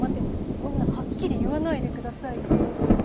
そんなハッキリ言わないでくださいよ。